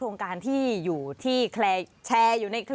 สนุนโดยอีซุสุข